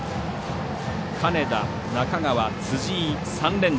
金田、中川、辻井、３連打。